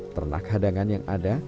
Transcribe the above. ternak hadangan yang ada